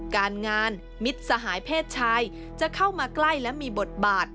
การงานมิตรสหายเพศชายจะเข้ามาใกล้และมีบทบาท